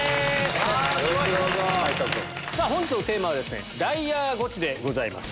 本日のテーマはライアーゴチでございます。